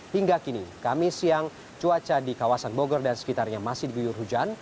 hingga kini kamis siang cuaca di kawasan bogor dan sekitarnya masih diguyur hujan